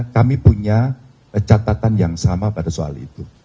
kami punya catatan yang sama pada soal itu